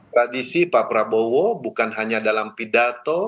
tradisi pak prabowo bukan hanya dalam pidato